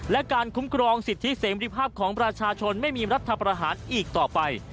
และการคุ้มครองสิทธิเสรีภาพของประชาชนไม่มีรัฐประหารอีกต่อไป